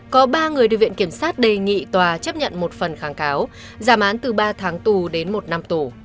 có ba người được viện kiểm sát đề nghị tòa chấp nhận một phần kháng cáo giảm án từ ba tháng tù đến một năm tù